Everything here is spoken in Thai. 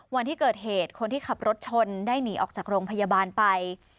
วันที่เกิดเหตุคนที่ขับรถชนได้หนีออกจากโรงพยาบาลไป